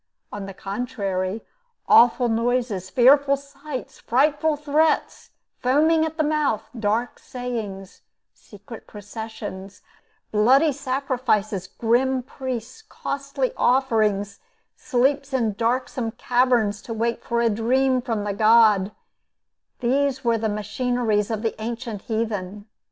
On the contrary, awful noises, fearful sights, frightful threats, foaming at the mouth, dark sayings, secret processions, bloody sacrifices, grim priests, costly offerings, sleeps in darksome caverns to wait for a dream from the god these were the machineries of the ancient heathen.